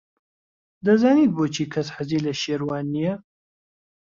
دەزانیت بۆچی کەس حەزی لە شێروان نییە؟